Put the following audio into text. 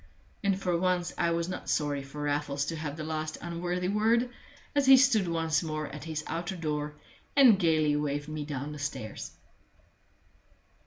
And for once I was not sorry for Raffles to have the last unworthy word, as he stood once more at his outer door and gayly waved me down the stairs.